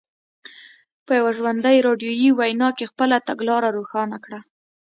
په یوه ژوندۍ راډیویي وینا کې خپله تګلاره روښانه کړه.